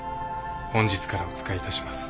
本日からお仕えいたします